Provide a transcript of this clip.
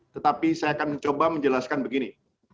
tetapi saya akan mencoba menjelaskan begini